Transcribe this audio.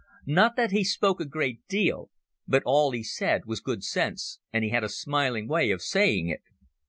Not that he spoke a great deal, but all he said was good sense, and he had a smiling way of saying it.